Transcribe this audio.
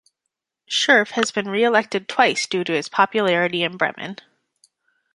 Scherf has been re-elected twice due to his popularity in Bremen.